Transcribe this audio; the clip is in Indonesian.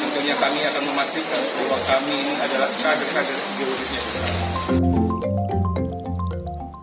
tentunya kami akan memastikan bahwa kami adalah kader kader ideologisnya